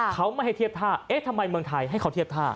เขาไม่ให้เทียบท่าเอ๊ะทำไมเมืองไทยให้เขาเทียบท่า